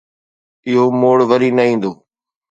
اهو موڙ وري نه ايندو